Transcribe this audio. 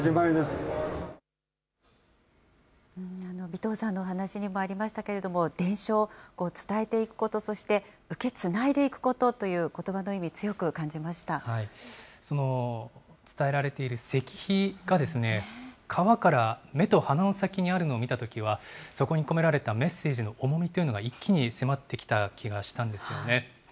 尾藤さんのお話にもありましたけれども、伝承、伝えていくこと、そして受けつないでいくことということばの意味、強く感じま伝えられている石碑が、川から目と鼻の先にあるのを見たときは、そこに込められたメッセージの重みというのが一気に迫ってきた気がしたんですよね。